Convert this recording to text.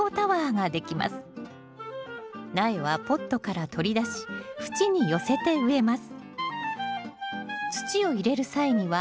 苗はポットから取り出し縁に寄せて植えます。